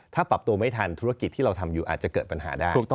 ถ้าปรับตัวไม่ทันธุรกิจที่เราทำอยู่อาจจะเกิดปัญหาได้